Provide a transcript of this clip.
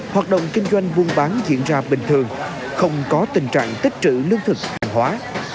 hoạt động kinh doanh buôn bán diễn ra bình thường không có tình trạng tích trữ lương thực hàng hóa